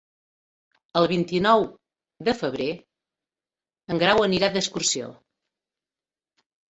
El vint-i-nou de febrer en Grau anirà d'excursió.